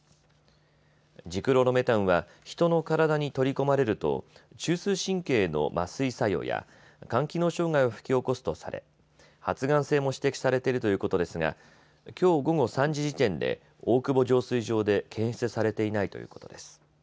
ジクロロメタンは人の体に取り込まれると中枢神経への麻酔作用や肝機能障害を引き起こすとされ発がん性も指摘されているということですがきょう午後３時時点で大久保浄水場で検出されていないということです。